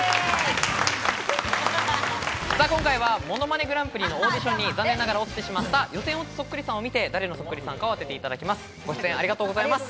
今回は『ものまねグランプリ』のオーディションに残念ながら落ちてしまった予選落ちそっくりさんを見て、誰のそっくりさんを当ててもらいます。